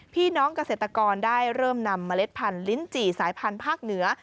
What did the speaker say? พี่น้องเกษตรกรได้เริ่มนำเมล็ดพันธุ์ลิ้นจี่สายพันธุ์ภาคเหนือ